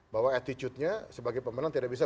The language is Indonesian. bahwa attitude nya sebagai pemenang tidak bisa